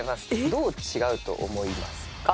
どう違うと思いますか？